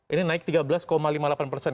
ini naik tiga belas lima puluh delapan persen